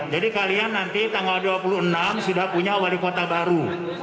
jadi kalian nanti tanggal dua puluh enam sudah punya wali kota baru